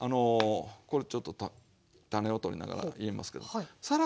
これちょっと種を取りながら言いますけどさら